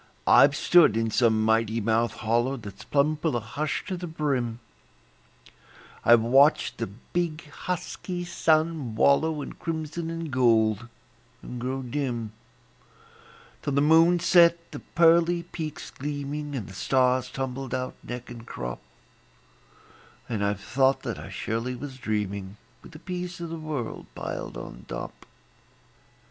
I've stood in some mighty mouthed hollow That's plumb full of hush to the brim; I've watched the big, husky sun wallow In crimson and gold, and grow dim, Till the moon set the pearly peaks gleaming, And the stars tumbled out, neck and crop; And I've thought that I surely was dreaming, With the peace o' the world piled on top.